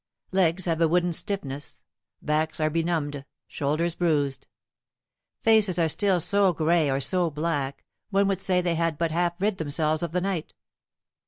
Legs have a wooden stiffness, backs are benumbed, shoulders bruised. Faces are still so gray or so black, one would say they had but half rid themselves of the night.